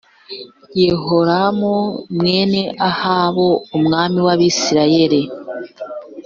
yehoramu mwene ahabu umwami w abisirayeli